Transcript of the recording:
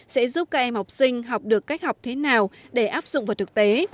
sẽ giúp các em học sinh học được cách học thế nào để áp dụng vào thực tế